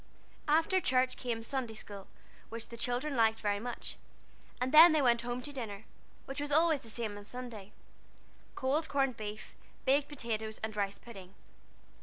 After church came Sunday school, which the children liked very much, and then they went home to dinner, which was always the same on Sunday cold corned beef, baked potatoes, and rice pudding.